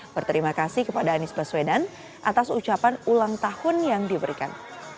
berterima kasih kepada anies baswedan atas ucapan ulang tahun yang diberikan